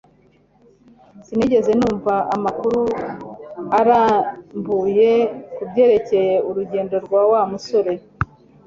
Sinigeze numva amakuru arambuye kubyerekeye urugendo rwa Wa musore